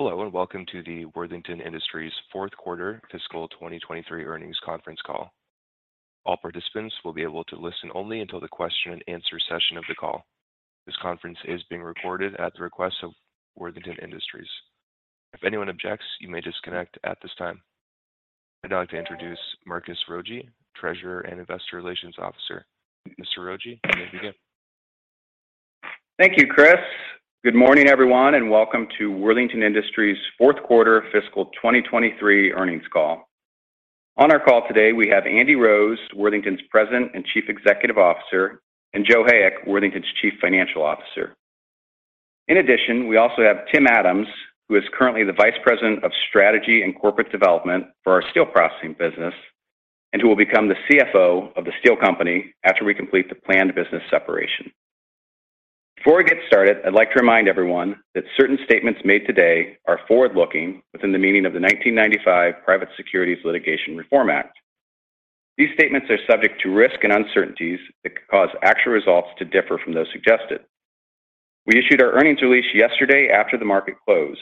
Hello, and welcome to the Worthington Industries Fourth Quarter Fiscal 2023 Earnings Conference Call. All participants will be able to listen only until the question-and-answer session of the call. This conference is being recorded at the request of Worthington Industries. If anyone objects, you may disconnect at this time. I'd now like to introduce Marcus Rogier, Treasurer and Investor Relations Officer. Mr. Rogier, you may begin. Thank you, Chris. Good morning, everyone, and welcome to Worthington Industries Fourth Quarter Fiscal 2023 Earnings Call. On our call today, we have Andy Rose, Worthington's President and Chief Executive Officer, and Joe Hayek, Worthington's Chief Financial Officer. In addition, we also have Tim Adams, who is currently the Vice President of Strategy and Corporate Development for our Steel Processing business, and who will become the CFO of the steel company after we complete the planned business separation. Before we get started, I'd like to remind everyone that certain statements made today are forward-looking within the meaning of the 1995 Private Securities Litigation Reform Act. These statements are subject to risk and uncertainties that could cause actual results to differ from those suggested. We issued our earnings release yesterday after the market closed.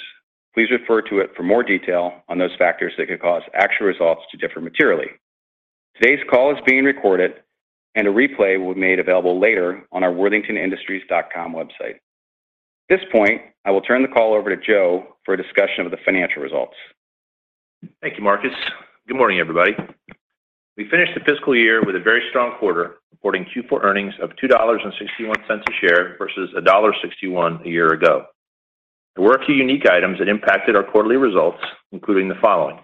Please refer to it for more detail on those factors that could cause actual results to differ materially. Today's call is being recorded, and a replay will be made available later on our worthingtonindustries.com website. At this point, I will turn the call over to Joe for a discussion of the financial results. Thank you, Marcus. Good morning, everybody. We finished the fiscal year with a very strong quarter, reporting Q4 earnings of $2.61 a share versus $1.61 a year ago. There were a few unique items that impacted our quarterly results, including the following: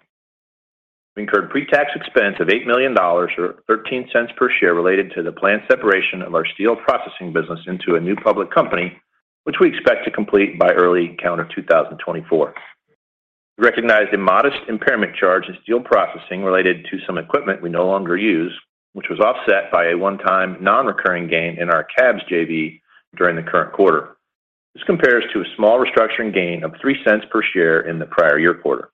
We incurred pre-tax expense of $8 million or $0.13 per share related to the planned separation of our Steel Processing business into a new public company, which we expect to complete by early calendar 2024. We recognized a modest impairment charge in Steel Processing related to some equipment we no longer use, which was offset by a one-time non-recurring gain in our CABS JV during the current quarter. This compares to a small restructuring gain of $0.03 per share in the prior year quarter.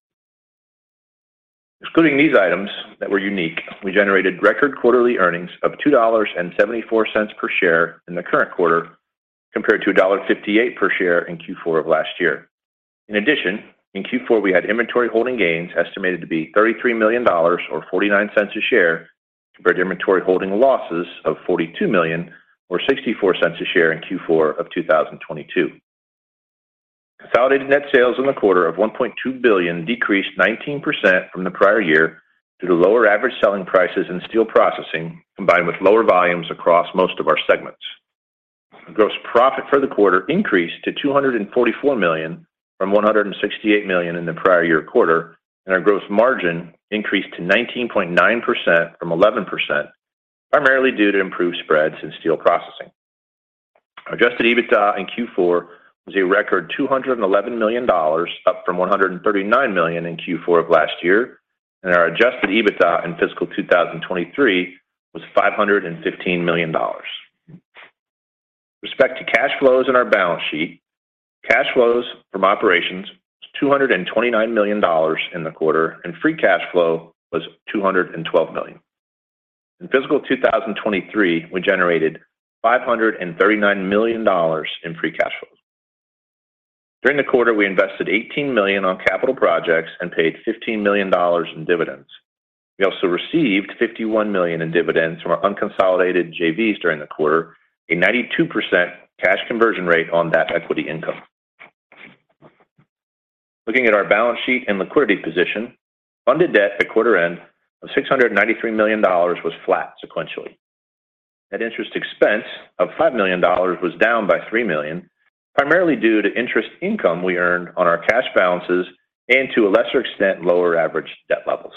Excluding these items that were unique, we generated record quarterly earnings of $2.74 per share in the current quarter, compared to $1.58 per share in Q4 of last year. In addition, in Q4, we had inventory holding gains estimated to be $33 million or $0.49 a share, compared to inventory holding losses of $42 million or $0.64 a share in Q4 of 2022. Consolidated net sales in the quarter of $1.2 billion decreased 19% from the prior year due to lower average selling prices in Steel Processing, combined with lower volumes across most of our segments. Our gross profit for the quarter increased to $244 million from $168 million in the prior year quarter, and our gross margin increased to 19.9% from 11%, primarily due to improved spreads in Steel Processing. Adjusted EBITDA in Q4 was a record $211 million, up from $139 million in Q4 of last year, and our Adjusted EBITDA in fiscal 2023 was $515 million. With respect to cash flows in our balance sheet, cash flows from operations was $229 million in the quarter, and free cash flow was $212 million. In fiscal 2023, we generated $539 million in free cash flows. During the quarter, we invested $18 million on capital projects and paid $15 million in dividends. We also received $51 million in dividends from our unconsolidated JVs during the quarter, a 92% cash conversion rate on that equity income. Looking at our balance sheet and liquidity position, funded debt at quarter end of $693 million was flat sequentially. Net interest expense of $5 million was down by $3 million, primarily due to interest income we earned on our cash balances and to a lesser extent, lower average debt levels.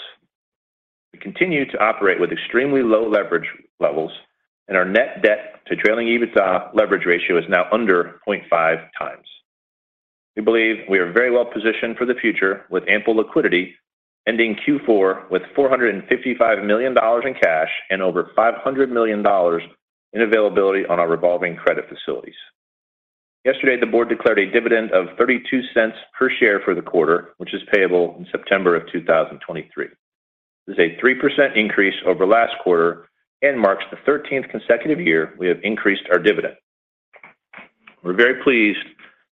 We continue to operate with extremely low leverage levels, and our net debt to trailing EBITDA leverage ratio is now under 0.5x. We believe we are very well-positioned for the future with ample liquidity, ending Q4 with $455 million in cash and over $500 million in availability on our revolving credit facilities. Yesterday, the board declared a dividend of $0.32 per share for the quarter, which is payable in September of 2023. This is a 3% increase over last quarter and marks the 13th consecutive year we have increased our dividend. We're very pleased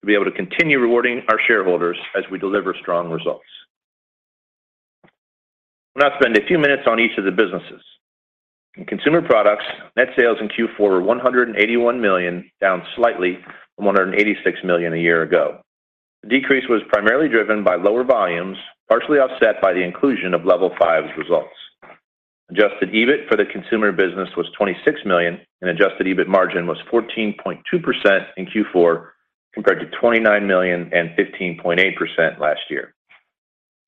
to be able to continue rewarding our shareholders as we deliver strong results. We'll now spend a few minutes on each of the businesses. In consumer products, net sales in Q4 were $181 million, down slightly from $186 million a year ago. The decrease was primarily driven by lower volumes, partially offset by the inclusion of Level5's results. Adjusted EBIT for the consumer business was $26 million, Adjusted EBIT margin was 14.2% in Q4, compared to $29 million and 15.8% last year.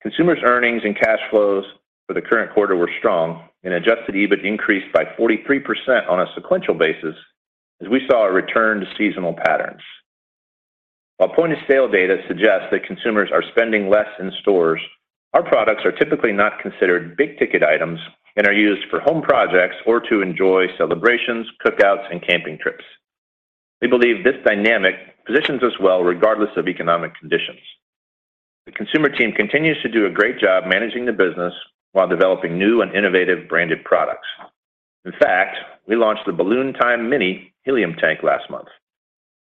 Consumer's earnings and cash flows for the current quarter were strong, Adjusted EBIT increased by 43% on a sequential basis as we saw a return to seasonal patterns. While point-of-sale data suggests that consumers are spending less in stores, our products are typically not considered big-ticket items and are used for home projects or to enjoy celebrations, cookouts, and camping trips. We believe this dynamic positions us well, regardless of economic conditions. The consumer team continues to do a great job managing the business while developing new and innovative branded products. In fact, we launched the Balloon Time Mini helium tank last month.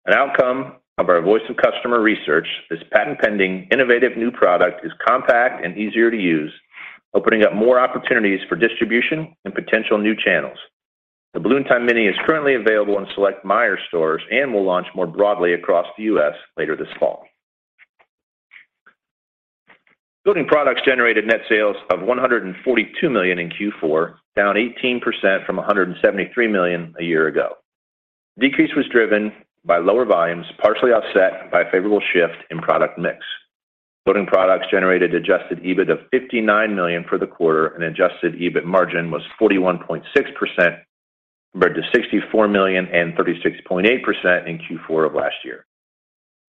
An outcome of our voice of customer research, this patent-pending, innovative new product is compact and easier to use, opening up more opportunities for distribution and potential new channels. The Balloon Time Mini is currently available in select Meijer stores and will launch more broadly across the U.S. later this fall. Building Products generated net sales of $142 million in Q4, down 18% from $173 million a year ago. Decrease was driven by lower volumes, partially offset by a favorable shift in product mix. Building Products generated Adjusted EBIT of $59 million for the quarter, and Adjusted EBIT margin was 41.6%, compared to $64 million and 36.8% in Q4 of last year.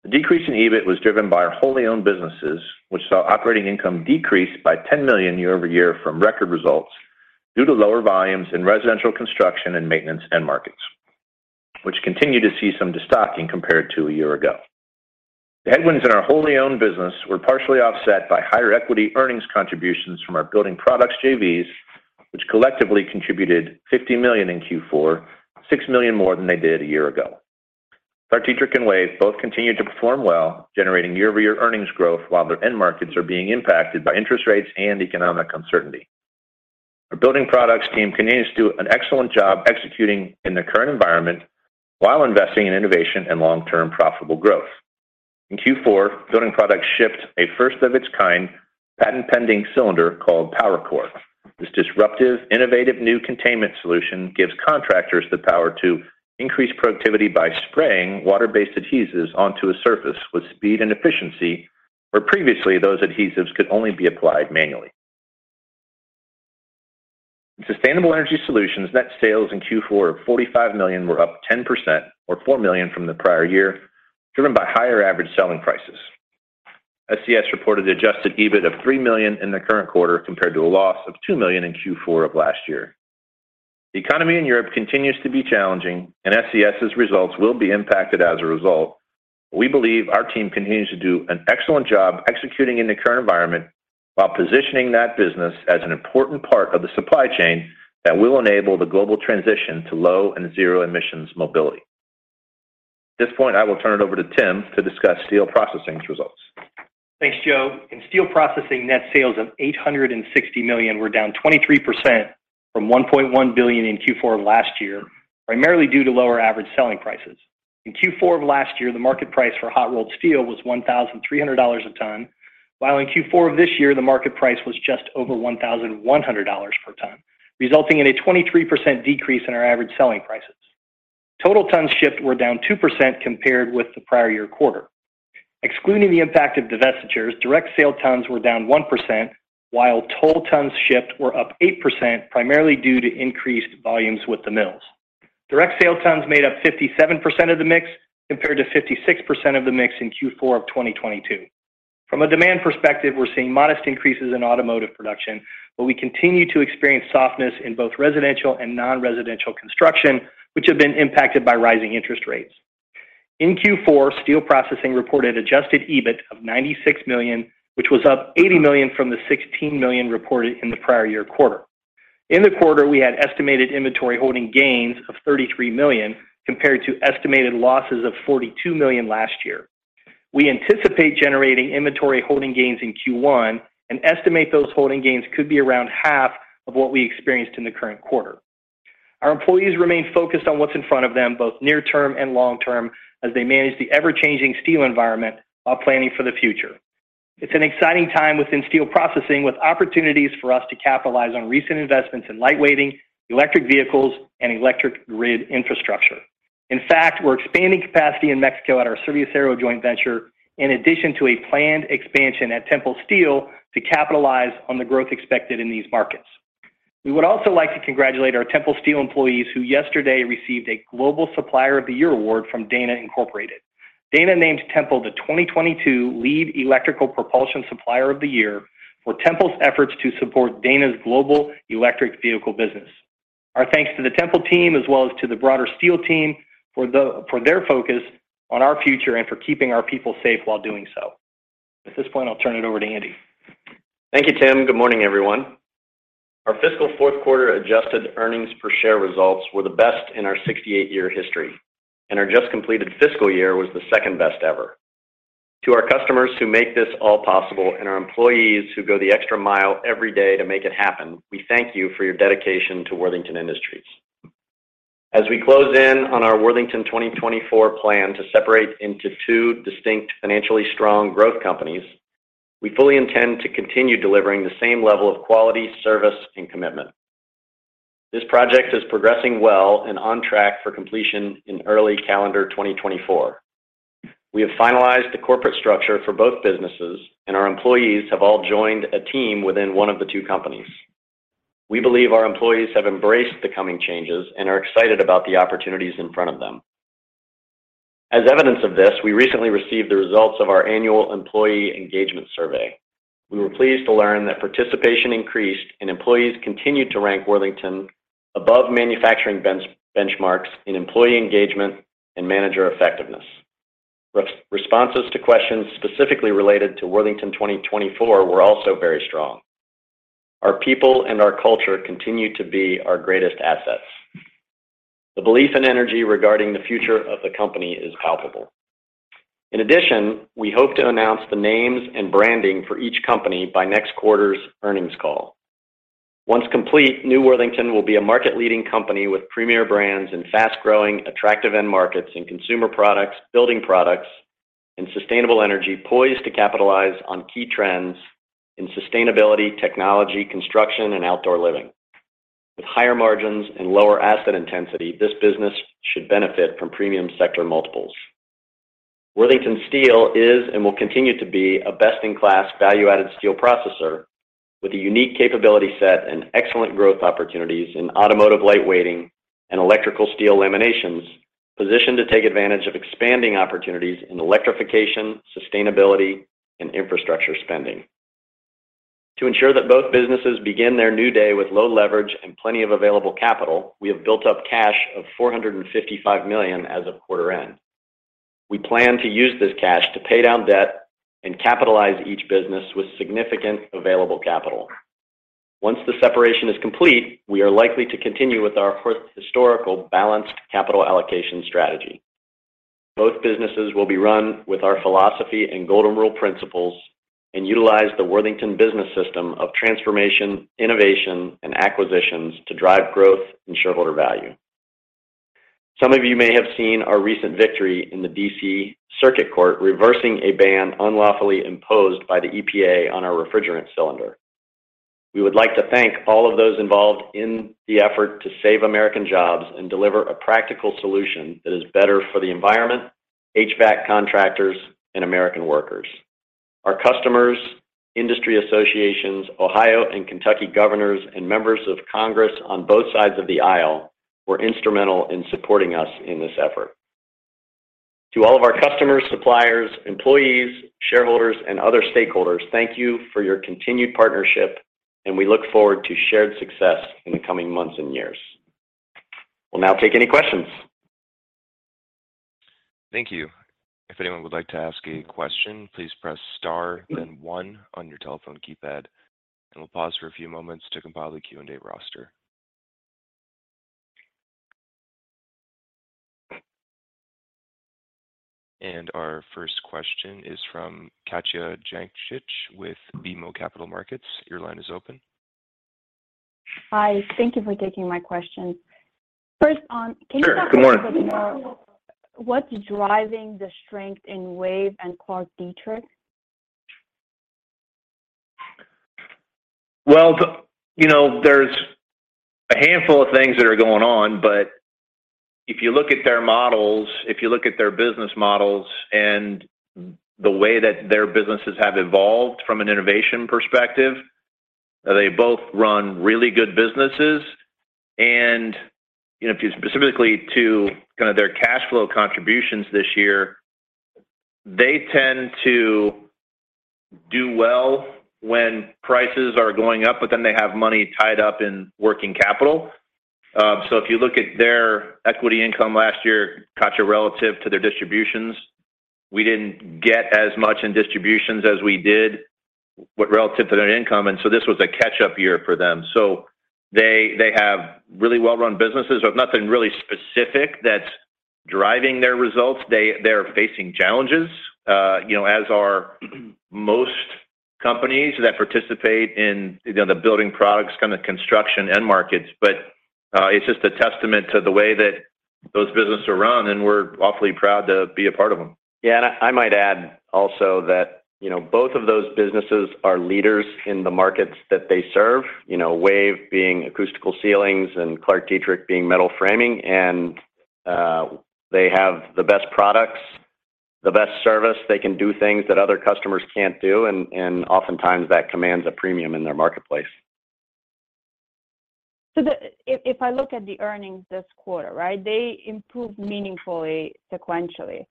The decrease in EBIT was driven by our wholly owned businesses, which saw operating income decrease by $10 million year-over-year from record results due to lower volumes in residential construction and maintenance end markets, which continued to see some destocking compared to a year ago. The headwinds in our wholly owned business were partially offset by higher equity earnings contributions from our Building Products JVs, which collectively contributed $50 million in Q4, $6 million more than they did a year ago. ClarkDietrich and WAVE both continued to perform well, generating year-over-year earnings growth, while their end markets are being impacted by interest rates and economic uncertainty. Our Building Products team continues to do an excellent job executing in the current environment while investing in innovation and long-term profitable growth. In Q4, Building Products shipped a first-of-its-kind, patent-pending cylinder called PowerCore. This disruptive, innovative, new containment solution gives contractors the power to increase productivity by spraying water-based adhesives onto a surface with speed and efficiency, where previously those adhesives could only be applied manually. Sustainable Energy Solutions net sales in Q4 of $45 million were up 10%, or $4 million from the prior year, driven by higher average selling prices. SES reported Adjusted EBIT of $3 million in the current quarter, compared to a loss of $2 million in Q4 of last year. The economy in Europe continues to be challenging, SES's results will be impacted as a result. We believe our team continues to do an excellent job executing in the current environment while positioning that business as an important part of the supply chain that will enable the global transition to low and zero emissions mobility. At this point, I will turn it over to Tim to discuss Steel Processing's results. Thanks, Joe. In Steel Processing, net sales of $860 million were down 23% from $1.1 billion in Q4 of last year, primarily due to lower average selling prices. In Q4 of last year, the market price for hot-rolled steel was $1,300 a ton, while in Q4 of this year, the market price was just over $1,100 per ton, resulting in a 23% decrease in our average selling prices. Total tons shipped were down 2% compared with the prior year quarter. Excluding the impact of divestitures, direct sale tons were down 1%, while toll tons shipped were up 8%, primarily due to increased volumes with the mills. Direct sale tons made up 57% of the mix, compared to 56% of the mix in Q4 of 2022. From a demand perspective, we're seeing modest increases in automotive production, but we continue to experience softness in both residential and non-residential construction, which have been impacted by rising interest rates. In Q4, Steel Processing reported Adjusted EBIT of $96 million, which was up $80 million from the $16 million reported in the prior year quarter. In the quarter, we had estimated inventory holding gains of $33 million, compared to estimated losses of $42 million last year. We anticipate generating inventory holding gains in Q1 and estimate those holding gains could be around half of what we experienced in the current quarter. Our employees remain focused on what's in front of them, both near term and long term, as they manage the ever-changing steel environment while planning for the future. It's an exciting time within Steel Processing, with opportunities for us to capitalize on recent investments in light weighting, electric vehicles, and electric grid infrastructure. In fact, we're expanding capacity in Mexico at our Serviacero joint venture, in addition to a planned expansion at Tempel Steel to capitalize on the growth expected in these markets. We would also like to congratulate our Tempel Steel employees, who yesterday received a Global Supplier of the Year award from Dana Incorporated. Dana named Tempel the 2022 Lead Electrical Propulsion Supplier of the Year for Tempel's efforts to support Dana's global electric vehicle business. Our thanks to the Tempel team, as well as to the broader Steel team for their focus on our future and for keeping our people safe while doing so. At this point, I'll turn it over to Andy. Thank you, Tim. Good morning, everyone. Our fiscal fourth quarter adjusted earnings per share results were the best in our 68-year history, and our just completed fiscal year was the second best ever. To our customers who make this all possible and our employees who go the extra mile every day to make it happen, we thank you for your dedication to Worthington Industries. As we close in on our Worthington 2024 plan to separate into two distinct, financially strong growth companies, we fully intend to continue delivering the same level of quality, service, and commitment. This project is progressing well and on track for completion in early calendar 2024. We have finalized the corporate structure for both businesses, and our employees have all joined a team within one of the two companies. We believe our employees have embraced the coming changes and are excited about the opportunities in front of them. As evidence of this, we recently received the results of our annual employee engagement survey. We were pleased to learn that participation increased and employees continued to rank Worthington above manufacturing benchmarks in employee engagement and manager effectiveness.... Responses to questions specifically related to Worthington 2024 were also very strong. Our people and our culture continue to be our greatest assets. The belief and energy regarding the future of the company is palpable. In addition, we hope to announce the names and branding for each company by next quarter's earnings call. Once complete, New Worthington will be a market-leading company with premier brands in fast-growing, attractive end markets in consumer products, building products, and sustainable energy, poised to capitalize on key trends in sustainability, technology, construction, and outdoor living. With higher margins and lower asset intensity, this business should benefit from premium sector multiples. Worthington Steel is and will continue to be a best-in-class, value-added steel processor with a unique capability set and excellent growth opportunities in automotive lightweighting and electrical steel laminations, positioned to take advantage of expanding opportunities in electrification, sustainability, and infrastructure spending. To ensure that both businesses begin their new day with low leverage and plenty of available capital, we have built up cash of $455 million as of quarter end. We plan to use this cash to pay down debt and capitalize each business with significant available capital. Once the separation is complete, we are likely to continue with our historical balanced capital allocation strategy. Both businesses will be run with our philosophy and Golden Rule principles and utilize the Worthington Business System of transformation, innovation, and acquisitions to drive growth and shareholder value. Some of you may have seen our recent victory in the D.C. Circuit Court, reversing a ban unlawfully imposed by the EPA on our refrigerant cylinder. We would like to thank all of those involved in the effort to save American jobs and deliver a practical solution that is better for the environment, HVAC contractors, and American workers. Our customers, industry associations, Ohio and Kentucky governors, and members of Congress on both sides of the aisle were instrumental in supporting us in this effort. To all of our customers, suppliers, employees, shareholders, and other stakeholders, thank you for your continued partnership, and we look forward to shared success in the coming months and years. We'll now take any questions. Thank you. If anyone would like to ask a question, please press star, then one on your telephone keypad, and we'll pause for a few moments to compile the Q&A roster. Our first question is from Katja Jancic with BMO Capital Markets. Your line is open. Hi, thank you for taking my question. Sure, good morning. Can you talk a little bit about what's driving the strength in WAVE and ClarkDietrich? You know, there's a handful of things that are going on, but if you look at their models, if you look at their business models and the way that their businesses have evolved from an innovation perspective, they both run really good businesses. You know, specifically to kind of their cash flow contributions this year, they tend to do well when prices are going up, they have money tied up in working capital. If you look at their equity income last year, got you relative to their distributions, we didn't get as much in distributions as we did, relative to their income, this was a catch-up year for them. They have really well-run businesses, but nothing really specific that's driving their results. They're facing challenges, you know, as are most companies that participate in, you know, the building products, kind of construction, end markets. It's just a testament to the way that those businesses are run, and we're awfully proud to be a part of them. I might add also that, you know, both of those businesses are leaders in the markets that they serve. You know, WAVE being acoustical ceilings and ClarkDietrich being metal framing, they have the best products, the best service. They can do things that other customers can't do, and oftentimes, that commands a premium in their marketplace. If I look at the earnings this quarter, right? They improved meaningfully, sequentially.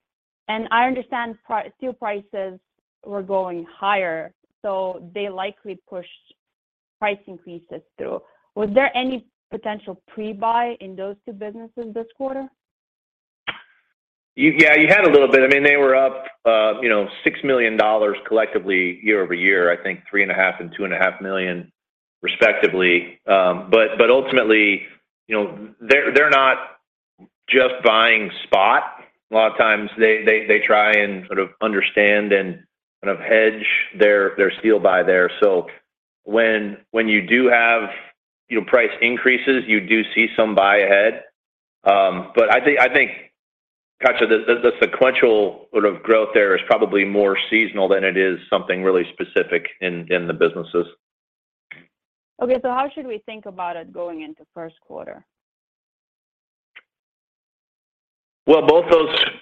I understand steel prices were going higher, so they likely pushed price increases through. Was there any potential pre-buy in those two businesses this quarter? Yeah, you had a little bit. I mean, they were up, you know, $6 million collectively, year-over-year. I think $3.5 million and $2.5 million, respectively. Ultimately, you know, they're not just buying spot. A lot of times they try and sort of understand and kind of hedge their steel buy there. When you do have, you know, price increases, you do see some buy ahead. I think, Katja, the sequential sort of growth there is probably more seasonal than it is something really specific in the businesses. Okay, how should we think about it going into first quarter? Well, both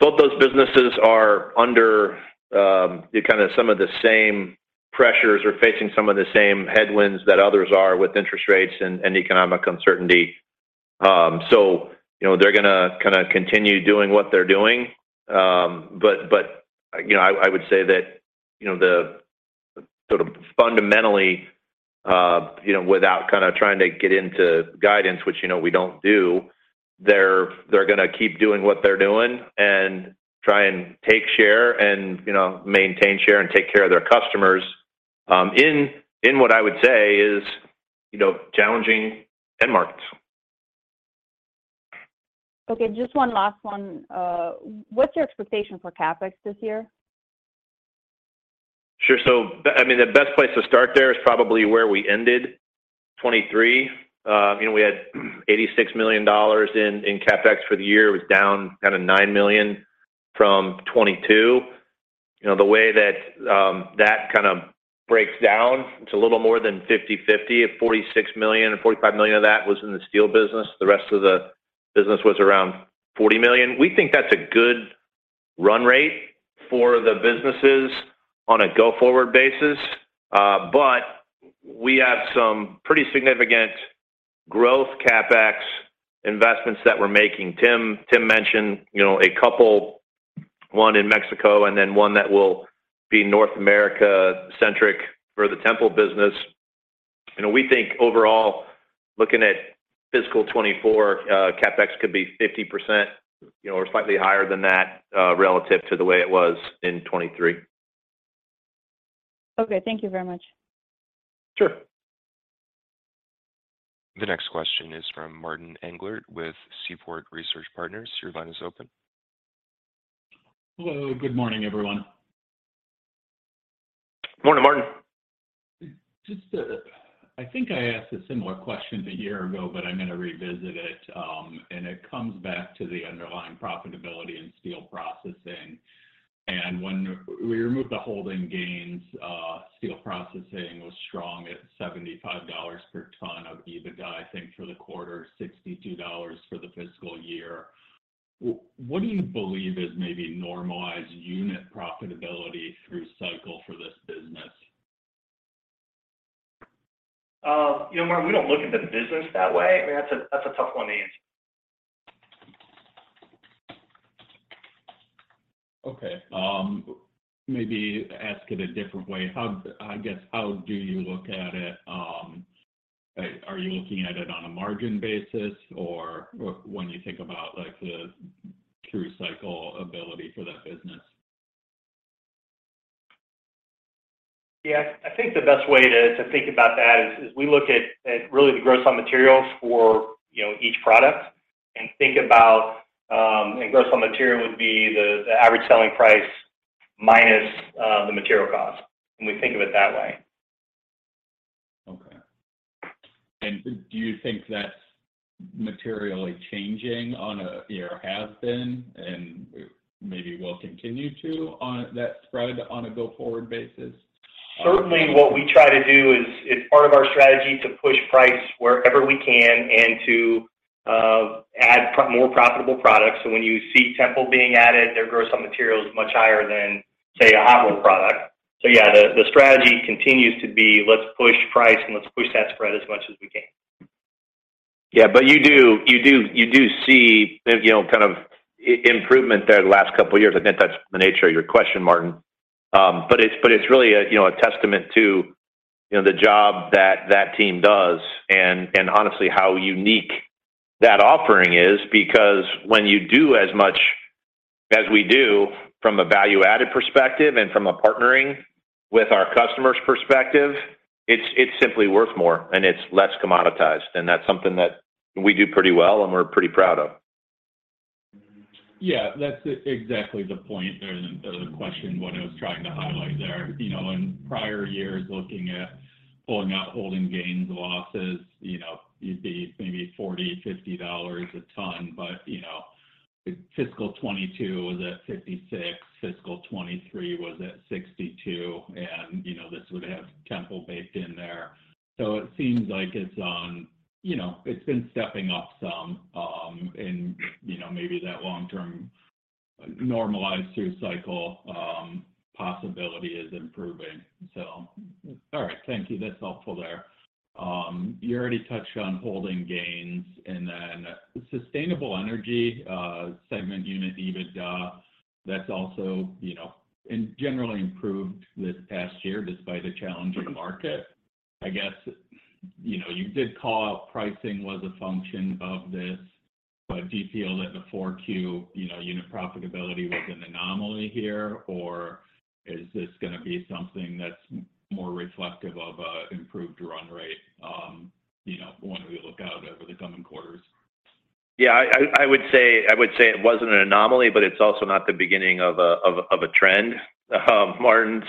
those businesses are under kind of some of the same pressures, or facing some of the same headwinds that others are with interest rates and economic uncertainty. You know, they're gonna kind of continue doing what they're doing. You know, I would say that, you know, the sort of.... you know, without kind of trying to get into guidance, which, you know, we don't do, they're going to keep doing what they're doing and try and take share and, you know, maintain share and take care of their customers, in what I would say is, you know, challenging end markets. Okay, just one last one. What's your expectation for CapEx this year? Sure. I mean, the best place to start there is probably where we ended 2023. You know, we had $86 million in CapEx for the year, it was down kind of $9 million from 2022. You know, the way that kind of breaks down, it's a little more than 50/50. At $46 million, and $45 million of that was in the steel business. The rest of the business was around $40 million. We think that's a good run rate for the businesses on a go-forward basis. We have some pretty significant growth CapEx investments that we're making. Tim mentioned, you know, a couple, one in Mexico, and then one that will be North America-centric for the Tempel business. You know, we think overall, looking at fiscal 2024, CapEx could be 50%, you know, or slightly higher than that, relative to the way it was in 2023. Okay. Thank you very much. Sure. The next question is from Martin Englert with Seaport Research Partners. Your line is open. Hello, good morning, everyone. Morning, Martin. Just, I think I asked a similar question a year ago, but I'm going to revisit it, and it comes back to the underlying profitability in Steel Processing. When we removed the holding gains, Steel Processing was strong at $75 per ton of EBITDA, I think, for the quarter, $62 for the fiscal year. What do you believe is maybe normalized unit profitability through cycle for this business? You know, Martin, we don't look at the business that way. I mean, that's a, that's a tough one to answer. Okay. Maybe ask it a different way. How, I guess, how do you look at it, are you looking at it on a margin basis, or when you think about, like, the through cycle ability for that business? Yeah. I think the best way to think about that is, we look at really the gross on materials for, you know, each product and think about. Gross on material would be the average selling price minus the material cost, and we think of it that way. Okay. Do you think that's materially changing on a year or has been, and maybe will continue to on that spread on a go-forward basis? Certainly, what we try to do is, it's part of our strategy to push price wherever we can and to add more profitable products. When you see Tempel being added, their gross on material is much higher than, say, a hot-rolled product. Yeah, the strategy continues to be, let's push price and let's push that spread as much as we can. You do see, you know, kind of improvement there the last couple of years. I think that's the nature of your question, Martin. It's really a, you know, a testament to, you know, the job that team does and honestly, how unique that offering is. When you do as much as we do from a value-added perspective and from a partnering with our customers perspective, it's simply worth more and it's less commoditized, that's something that we do pretty well, and we're pretty proud of. Yeah, that's exactly the point there. The question, what I was trying to highlight there. You know, in prior years, looking at pulling out holding gains, losses, you know, you'd be maybe $40, $50 a ton, you know, fiscal 2022 was at $56, fiscal 2023 was at $62, and, you know, this would have Tempel baked in there. It seems like it's on... You know, it's been stepping up some, and, you know, maybe that long-term normalized through cycle possibility is improving. All right, thank you. That's helpful there. You already touched on holding gains and then Sustainable Energy segment unit, EBITDA, that's also, you know, generally improved this past year despite a challenging market. I guess, you know, you did call out pricing was a function of this, but do you feel that the 4Q, you know, unit profitability was an anomaly here, or is this going to be something that's more reflective of, improved run rate, you know, when we look out over the coming quarters? Yeah, I would say it wasn't an anomaly, but it's also not the beginning of a trend, Martin.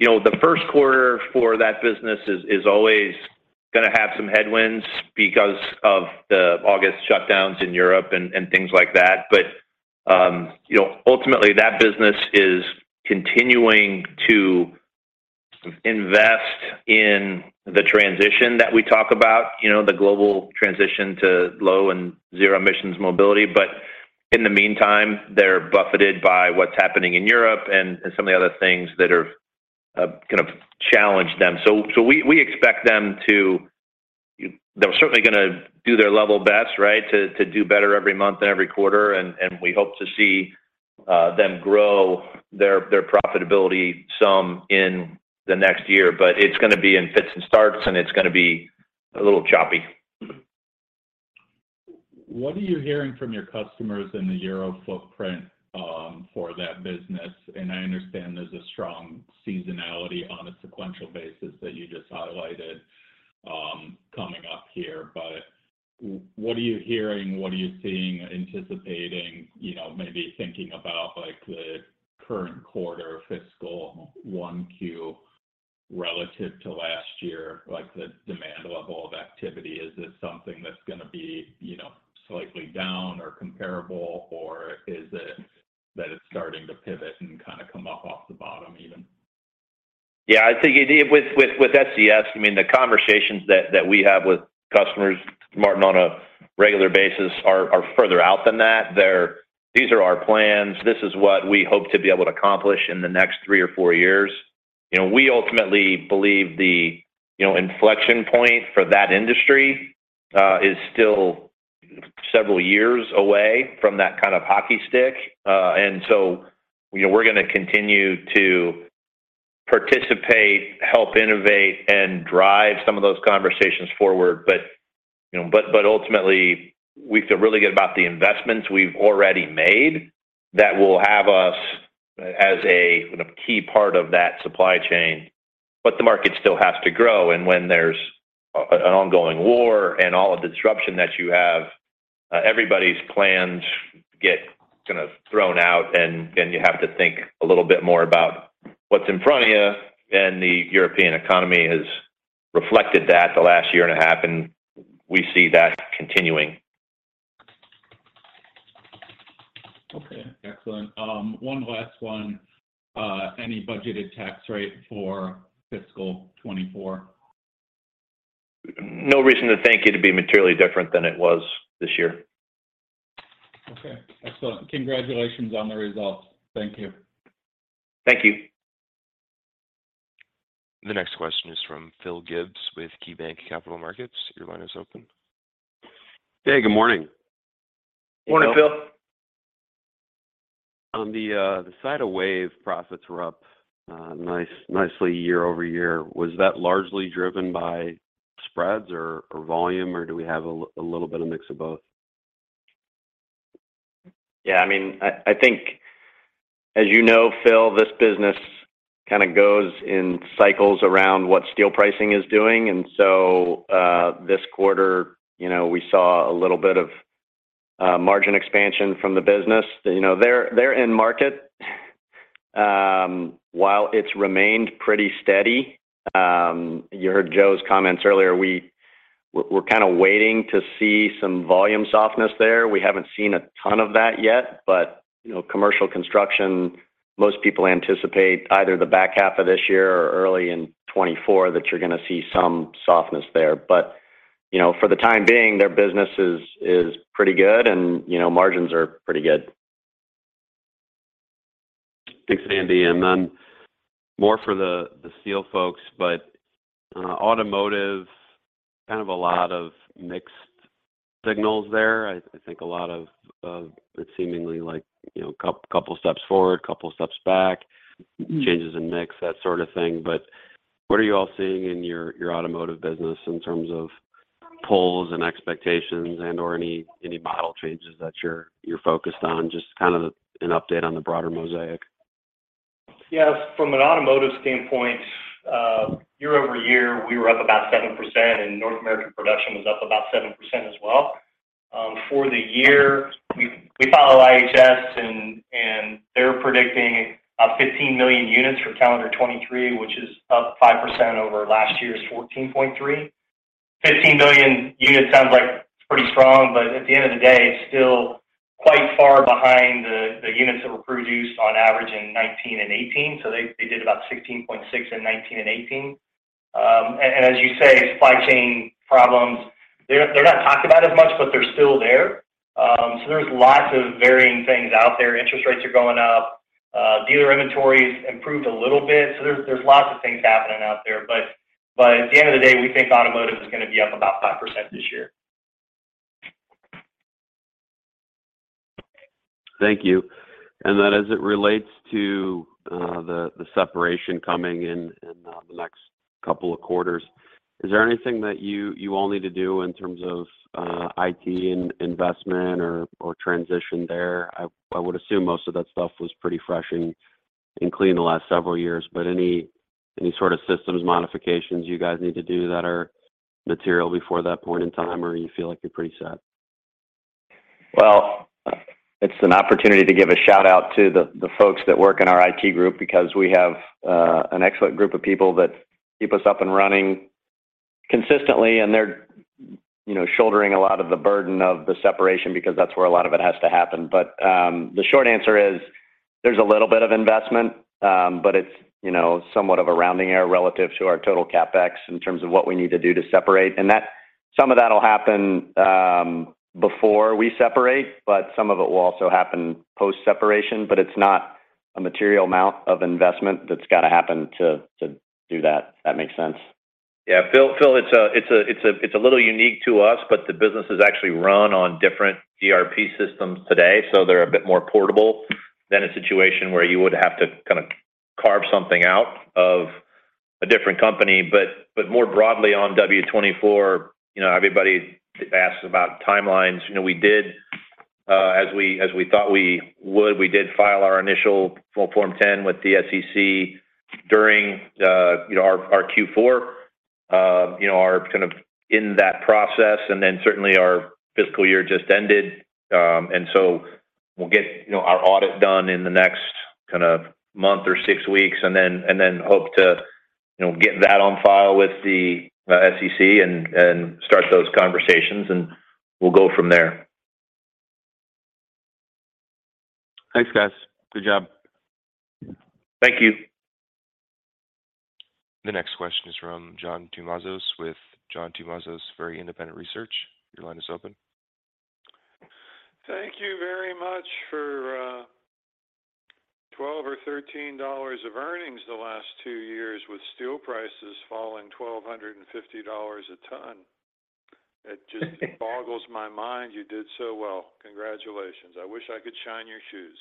You know, the first quarter for that business is always going to have some headwinds because of the August shutdowns in Europe and things like that. You know, ultimately, that business is continuing to invest in the transition that we talk about, you know, the global transition to low and zero emissions mobility. In the meantime, they're buffeted by what's happening in Europe and some of the other things that are going to challenge them. We expect them to- They're certainly gonna do their level best, right? To do better every month and every quarter, and we hope to see them grow their profitability some in the next year. It's gonna be in fits and starts, and it's gonna be a little choppy. What are you hearing from your customers in the Euro footprint for that business? I understand there's a strong seasonality on a sequential basis that you just highlighted coming up here. What are you hearing? What are you seeing, anticipating, you know, maybe thinking about, like, the current quarter, fiscal 1Q relative to last year, like the demand level of activity? Is this something that's gonna be, you know, slightly down or comparable, or is it that it's starting to pivot and kind of come up off the bottom even? Yeah, I think with SCS, I mean, the conversations that we have with customers, Martin, on a regular basis are further out than that. They're, "These are our plans. This is what we hope to be able to accomplish in the next three or four years." You know, we ultimately believe the, you know, inflection point for that industry is still several years away from that kind of hockey stick. So, you know, we're gonna continue to participate, help innovate, and drive some of those conversations forward. You know, ultimately, we feel really good about the investments we've already made that will have us as a, kind of, key part of that supply chain. The market still has to grow, and when there's an ongoing war and all of the disruption that you have, everybody's plans get kind of thrown out, and you have to think a little bit more about what's in front of you. The European economy has reflected that the last year and a half, and we see that continuing. Okay, excellent. One last one. Any budgeted tax rate for fiscal 2024? No reason to think it'd be materially different than it was this year. Okay, excellent. Congratulations on the results. Thank you. Thank you. The next question is from Phil Gibbs with KeyBanc Capital Markets. Your line is open. Hey, good morning. Morning, Phil. On the side of WAVE profits were up nicely year-over-year. Was that largely driven by spreads or volume, or do we have a little bit of mix of both? I mean, I think, as you know, Phil, this business kind of goes in cycles around what steel pricing is doing. This quarter, you know, we saw a little bit of margin expansion from the business. You know, they're in market. While it's remained pretty steady, you heard Joe's comments earlier, we're kind of waiting to see some volume softness there. We haven't seen a ton of that yet, you know, commercial construction, most people anticipate either the back half of this year or early in 2024, that you're gonna see some softness there. You know, for the time being, their business is pretty good, and, you know, margins are pretty good. Thanks, Andy. More for the steel folks, but automotive, kind of a lot of mixed signals there. I think a lot of it's seemingly like, you know, couple steps forward, couple steps back- Mm-hmm. changes in mix, that sort of thing. What are you all seeing in your automotive business in terms of polls and expectations and, or any model changes that you're focused on? Just kind of an update on the broader mosaic. Yes, from an automotive standpoint, year-over-year, we were up about 7%, North American production was up about 7% as well. For the year, we follow IHS, and they're predicting about 15 million units for calendar 2023, which is up 5% over last year's 14.3. 15 million units sounds like it's pretty strong, at the end of the day, it's still quite far behind the units that were produced on average in 2019 and 2018. They did about 16.6 in 2019 and 2018. As you say, supply chain problems, they're not talked about as much, they're still there. There's lots of varying things out there. Interest rates are going up. Dealer inventories improved a little bit, there's lots of things happening out there. At the end of the day, we think automotive is gonna be up about 5% this year. Thank you. As it relates to the separation coming in the next couple of quarters, is there anything that you all need to do in terms of IT investment or transition there? I would assume most of that stuff was pretty fresh and clean the last several years, but any sort of systems modifications you guys need to do that are material before that point in time, or you feel like you're pretty set? Well, it's an opportunity to give a shout-out to the folks that work in our IT group, because we have an excellent group of people that keep us up and running consistently, and they're, you know, shouldering a lot of the burden of the separation because that's where a lot of it has to happen. The short answer is, there's a little bit of investment, but it's, you know, somewhat of a rounding error relative to our total CapEx in terms of what we need to do to separate. Some of that will happen before we separate, but some of it will also happen post-separation. It's not a material amount of investment that's got to happen to do that. If that makes sense? Phil, it's a little unique to us. The business is actually run on different ERP systems today. They're a bit more portable than a situation where you would have to kind of carve something out of a different company. More broadly, on W24, you know, everybody asks about timelines. You know, we did, as we, as we thought we would, we did file our initial Form 10 with the SEC during, you know, our Q4. You know, are kind of in that process, and then certainly our fiscal year just ended. We'll get, you know, our audit done in the next kind of month or six weeks, and then hope to, you know, get that on file with the SEC and start those conversations, and we'll go from there. Thanks, guys. Good job. Thank you. The next question is from John Tumazos with John Tumazos Very Independent Research. Your line is open. Thank you very much for, $12 or $13 of earnings the last two years, with steel prices falling $1,250 a ton. It just boggles my mind you did so well. Congratulations. I wish I could shine your shoes.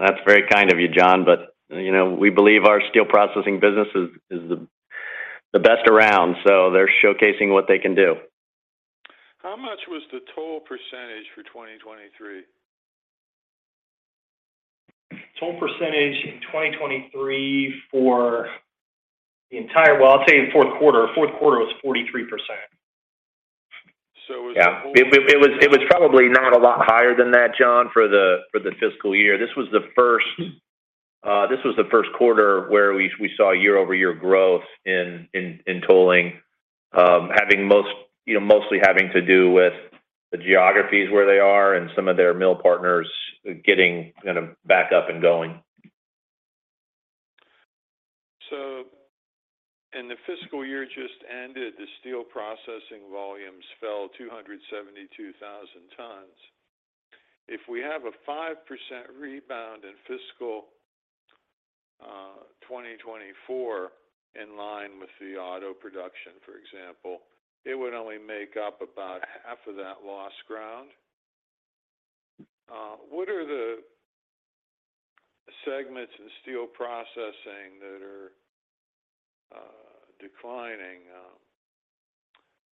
That's very kind of you, John, but, you know, we believe our Steel Processing business is the best around, so they're showcasing what they can do. How much was the toll % for 2023? Toll percentage in 2023. Well, I'll tell you, in the fourth quarter. Fourth quarter was 43%. So was the- It was probably not a lot higher than that, John, for the fiscal year. This was the first quarter where we saw year-over-year growth in tolling. Having most, you know, mostly having to do with the geographies where they are and some of their mill partners getting kind of back up and going. In the fiscal year just ended, the Steel Processing volumes fell 272,000 tons. If we have a 5% rebound in fiscal 2024, in line with the auto production, for example, it would only make up about half of that lost ground. What are the segments in Steel Processing that are declining?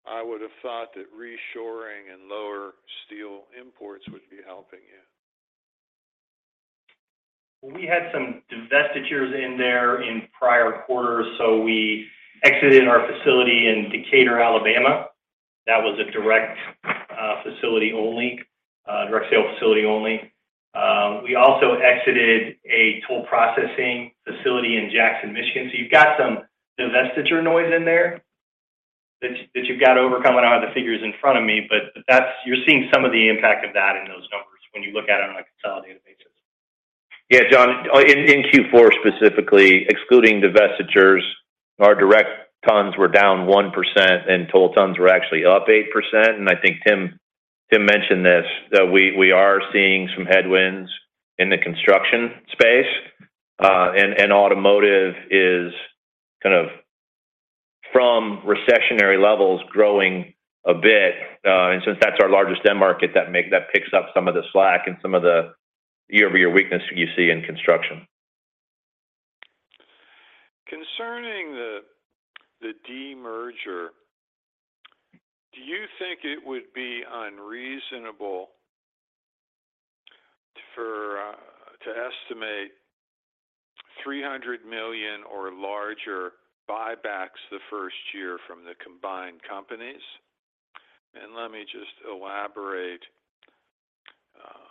I would have thought that reshoring and lower steel imports would be helping you. We had some divestitures in there in prior quarters. We exited our facility in Decatur, Alabama. That was a direct facility only, direct sale facility only. We also exited a toll processing facility in Jackson, Michigan. You've got some divestiture noise in there that you've got to overcome. I don't have the figures in front of me, but you're seeing some of the impact of that in those numbers when you look at it on a consolidated basis. John, in Q4, specifically, excluding divestitures, our direct tons were down 1%, and toll tons were actually up 8%. I think Tim mentioned this, that we are seeing some headwinds in the construction space. Automotive is kind of from recessionary levels, growing a bit. Since that's our largest end market, that picks up some of the slack and some of the year-over-year weakness you see in construction. Concerning the demerger, do you think it would be unreasonable to estimate $300 million or larger buybacks the first year from the combined companies? Let me just elaborate. I'm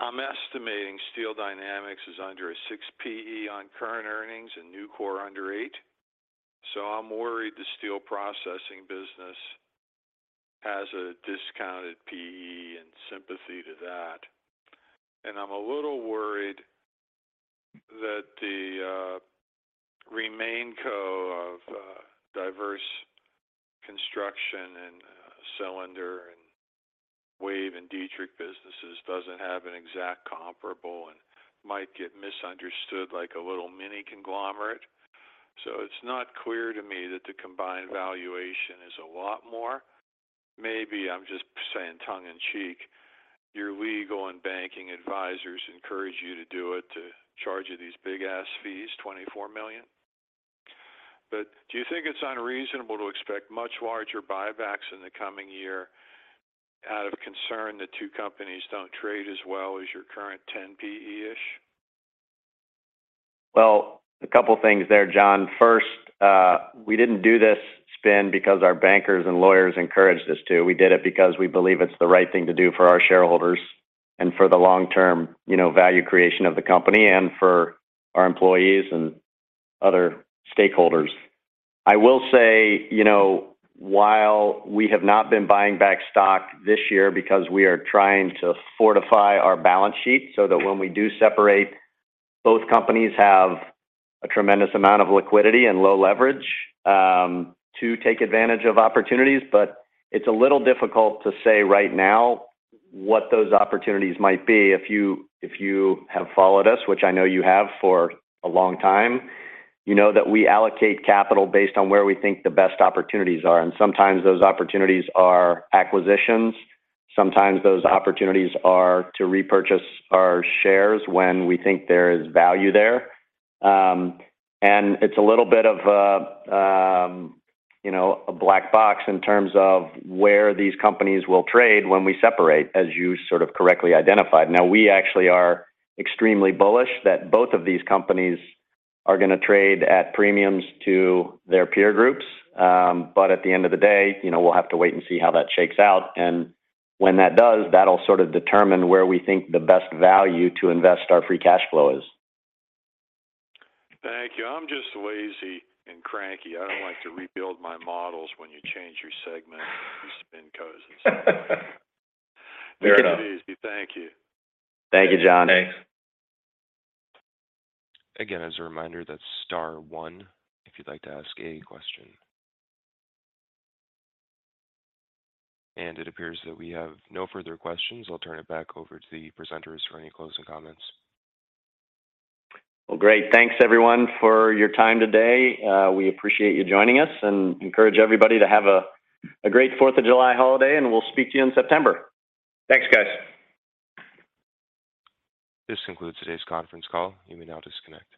estimating Steel Dynamics is under a 6x P/E on current earnings and Nucor under 8x. I'm worried the Steel Processing business has a discounted P/E in sympathy to that. I'm a little worried that the remainco of diverse construction and cylinder and WAVE and Dietrich businesses doesn't have an exact comparable and might get misunderstood like a little mini conglomerate. It's not clear to me that the combined valuation is a lot more. Maybe I'm just saying tongue in cheek, your legal and banking advisors encourage you to do it, to charge you these big-ass fees, $24 million. do you think it's unreasonable to expect much larger buybacks in the coming year out of concern the two companies don't trade as well as your current 10 P/E-ish? A couple of things there, John. First, we didn't do this spin because our bankers and lawyers encouraged us to. We did it because we believe it's the right thing to do for our shareholders and for the long-term, you know, value creation of the company and for our employees and other stakeholders. I will say, you know, while we have not been buying back stock this year because we are trying to fortify our balance sheet, so that when we do separate, both companies have a tremendous amount of liquidity and low leverage to take advantage of opportunities. It's a little difficult to say right now what those opportunities might be. If you have followed us, which I know you have for a long time, you know that we allocate capital based on where we think the best opportunities are, and sometimes those opportunities are acquisitions, sometimes those opportunities are to repurchase our shares when we think there is value there. It's a little bit of a, you know, a black box in terms of where these companies will trade when we separate, as you sort of correctly identified. Now, we actually are extremely bullish that both of these companies are going to trade at premiums to their peer groups. At the end of the day, you know, we'll have to wait and see how that shakes out, and when that does, that'll sort of determine where we think the best value to invest our free cash flow is. Thank you. I'm just lazy and cranky. I don't like to rebuild my models when you change your segment, the spin codes and stuff. Fair enough. Thank you. Thank you, John. Thanks. Again, as a reminder, that's star one, if you'd like to ask any question. It appears that we have no further questions. I'll turn it back over to the presenters for any closing comments. Great. Thanks, everyone, for your time today. We appreciate you joining us and encourage everybody to have a great 4th of July holiday, and we'll speak to you in September. Thanks, guys. This concludes today's conference call. You may now disconnect.